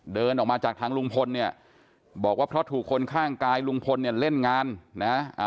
เดินออกมาจากทางลุงพลเนี่ยบอกว่าเพราะถูกคนข้างกายลุงพลเนี่ยเล่นงานนะ